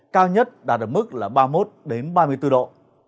cao nhất đạt ở mức ba mươi một ba mươi bốn độ